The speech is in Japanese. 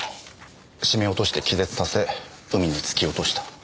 絞め落として気絶させ海に突き落とした。